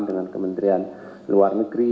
dengan kementerian luar negeri